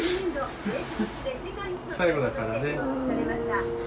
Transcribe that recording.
最後だからね。